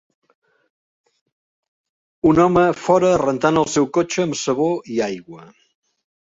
Un home fora rentant el seu cotxe amb sabó i aigua.